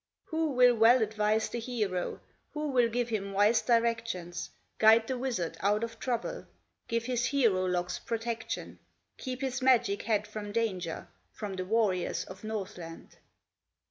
Who will well advise the hero, Who will give him wise directions, Guide the wizard out of trouble, Give his hero locks protection, Keep his magic head from danger From the warriors of Northland?